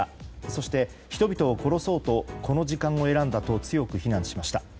そして、人々を殺そうとこの時間を選んだと強く非難しました。